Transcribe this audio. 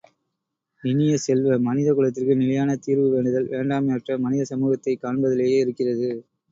இனிய செல்வ, மனித குலத்திற்கு நிலையான தீர்வு வேண்டுதல் வேண்டாமை அற்ற மனித சமூகத்தைக் காண்பதிலேயே இருக்கிறது.